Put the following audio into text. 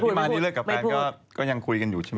มานี่เลิกกับแฟนก็ยังคุยกันอยู่ใช่ไหม